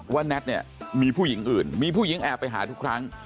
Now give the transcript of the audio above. แน็ตเนี่ยมีผู้หญิงอื่นมีผู้หญิงแอบไปหาทุกครั้ง